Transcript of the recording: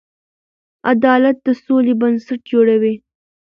عدالت د سولې بنسټ جوړوي.